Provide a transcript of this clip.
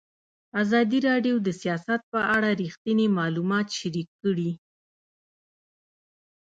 ازادي راډیو د سیاست په اړه رښتیني معلومات شریک کړي.